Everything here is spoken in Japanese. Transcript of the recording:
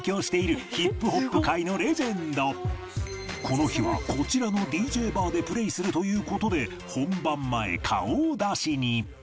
この日はこちらの ＤＪ バーでプレイするという事で本番前顔を出しに